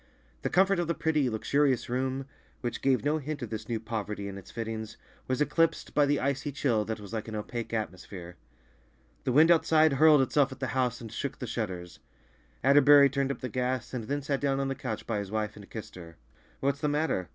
The comfort of the pretty, luxurious room, which gave no hint of this new poverty in its fittings, was eclipsed by the icy chill that was like an opaque atmosphere. The wind outside hurled itself at the house and shook the shutters. Atterbury turned up the gas, and then sat down on the couch by his wife and kissed her. "What's the matter?"